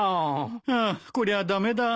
ハァこりゃ駄目だ。